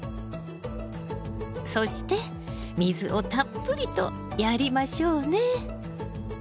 そして水をたっぷりとやりましょうね！